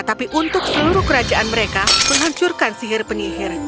tapi untuk seluruh kerajaan mereka menghancurkan sihir penyihir